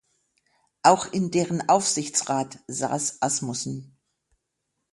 Auch in deren Aufsichtsrat saß Asmussen.